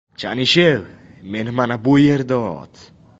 — Chanishev! Meni mana shu yerda ot!